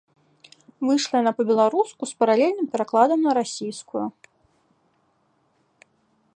Выйшла яна па-беларуску з паралельным перакладам на расійскую.